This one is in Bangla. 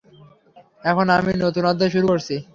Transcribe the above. এখন আমি নতুন অধ্যায় শুরু করছি।